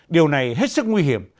điều này hết sức nguy hiểm